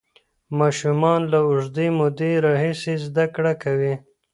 ماشومان له اوږدې مودې راهیسې زده کړه کوي.